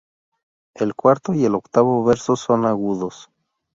El cuarto y el octavo verso son agudos.